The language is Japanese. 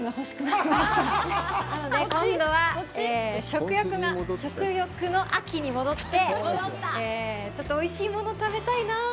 なので、今度は食欲の秋に戻ってちょっとおいしいものを食べたいなあ。